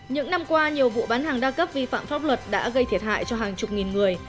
những năm qua nhiều vụ bán hàng đa cấp vi phạm pháp luật đã gây thiệt hại cho hàng chục nghìn người